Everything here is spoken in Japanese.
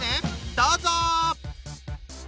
どうぞ！